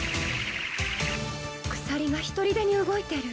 鎖がひとりでに動いてる。